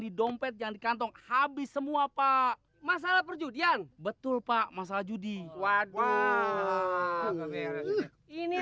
dompet yang dikantong habis semua pak masalah perjudian betul pak masalah judi waduh ini